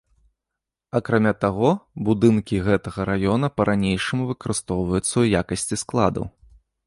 Акрамя таго, будынкі гэтага раёна па-ранейшаму выкарыстоўваюцца ў якасці складаў.